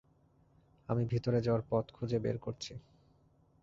আমি ভিতরে যাওয়ার পথ খুঁজে বের করছি।